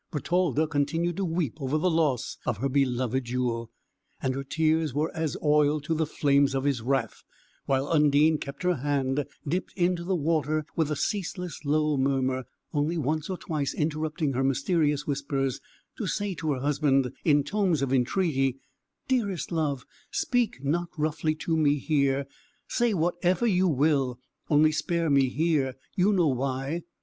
Bertalda continued to weep over the loss of her beloved jewel, and her tears were as oil to the flames of his wrath, while Undine kept her hand dipped into the water with a ceaseless low murmur, only once or twice interrupting her mysterious whispers to say to her husband in tones of entreaty, "Dearest love, speak not roughly to me here; say whatever you will, only spare me here; you know why!"